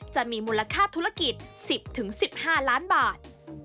จะมีมูลค่าธุรกิจ๑๐๑๕ล้านบาท